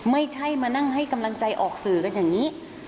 ไม่ใช่มานั่งให้กำลังใจออกสื่อกันอย่างนี้